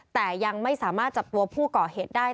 แต่ยังไม่สามารถจับตัวผู้ก่อเหตุได้